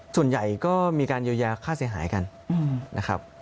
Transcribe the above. ส่วนใหญ่ก็มีการเยียวยาค่าเสียหายกันนะครับ